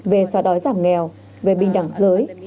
về xóa đói giảm nghèo về bình đẳng giới